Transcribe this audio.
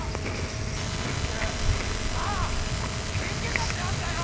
タイミング間経験だってあんだよ！